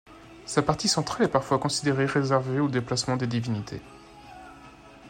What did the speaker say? Sa partie centrale est parfois considérée réservée aux déplacements des divinités.